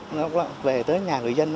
nó về tới nhà người dân